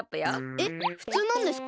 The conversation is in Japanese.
えっふつうなんですか？